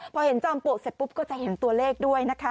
พอเห็นจอมปลวกเสร็จปุ๊บก็จะเห็นตัวเลขด้วยนะคะ